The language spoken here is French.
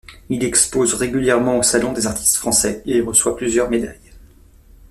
Il expose régulièrement au Salon des artistes français et y reçoit plusieurs médailles.